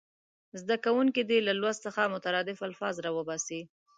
زده کوونکي دې له لوست څخه مترادف الفاظ راوباسي.